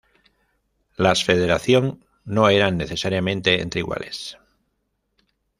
Las federación no eran necesariamente entre iguales.